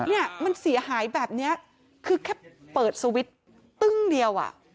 เนี่ยมันเสียหายแบบนี้คือแค่เปิดสวิตช์ตึ้งเดียวอ่ะ